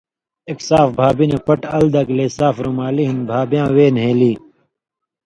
ایک صاف بھابی نہ پٹ ال دگلے صاف رُومالی ہِن بھابی یاں وے نھېلے